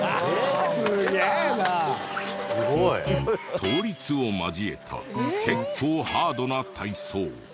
倒立を交えた結構ハードな体操。